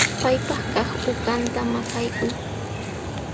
Paypaq kaq uqanta makaykuy.